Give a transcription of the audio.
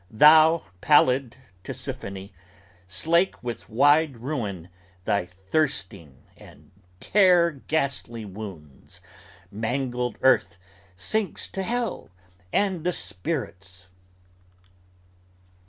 Thou, Pallid Tisiphone, slake with wide ruin, thy thirsting And tear ghastly wounds: mangled earth sinks to hell and the spirits.